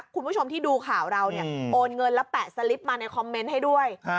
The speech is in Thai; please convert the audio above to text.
คุณผู้ชมที่ดูข่าวเราเนี่ยโอนเงินแล้วแปะสลิปมาในคอมเมนต์ให้ด้วย